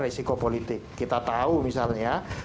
resiko politik kita tahu misalnya